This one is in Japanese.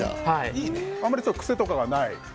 あまり癖とかがない？